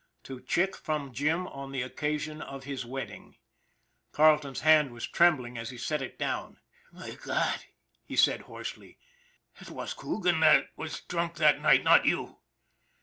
' To Chick from Jim, on the occasion of his wedding." Carleton's hand was trembling as he set it down. " My God !" he said hoarsely. " It was Coogan who was drunk that night not you."